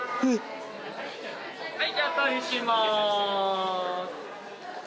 はいじゃあお撮りします。